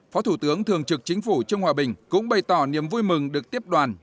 phó thủ tướng thường trực chính phủ trương hòa bình cũng bày tỏ niềm vui mừng được tiếp đoàn